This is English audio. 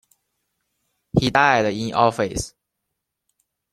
He died in office.